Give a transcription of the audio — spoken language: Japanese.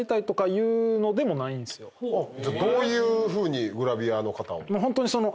じゃあどういうふうにグラビアの方を。